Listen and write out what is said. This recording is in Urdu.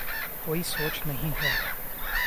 کوئی سوچ نہیں ہے۔